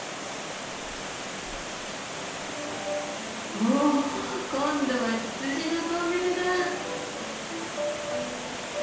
おっ今度はツツジのトンネルだ。